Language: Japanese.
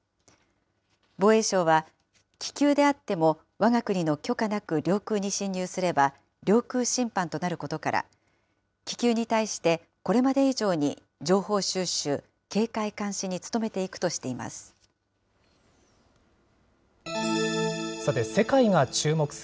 防衛省は、気球であってもわが国の許可なく領空に侵入すれば、領空侵犯となることから、気球に対してこれまで以上に情報収集、警戒監視に努めていくとしています。